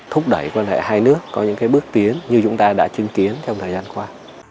thúc đẩy quan hệ hai nước có những bước tiến như chúng ta đã chứng kiến trong thời gian qua